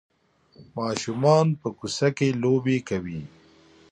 ماشومان په کوڅه کې لوبې کوي.